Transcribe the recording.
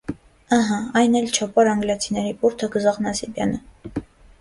Ըհը՛, այն էլ չոպոր-անգլիացիների բուրդը գզող Նասիբյանը: